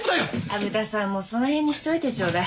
虻田さんもうその辺にしといてちょうだい。